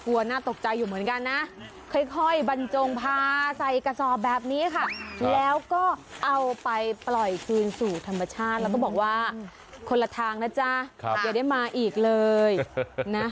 ว่าคนละทางนะจ๊ะอย่าได้มาอีกเลยนะ